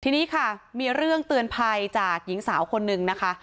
ทีนี้ค่ะมีเรื่องเตือนภัยจากหญิงสาวคนนึงนะคะ